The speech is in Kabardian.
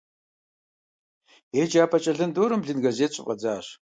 Еджапӏэ кӏэлындорым блын газет щыфӏэдзащ.